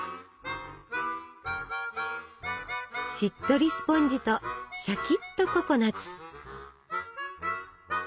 しっとりスポンジとしゃきっとココナツ。